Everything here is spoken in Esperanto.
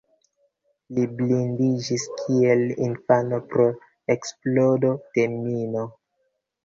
Li blindiĝis kiel infano pro eksplodo de mino.